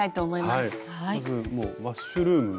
まずもうマッシュルーム。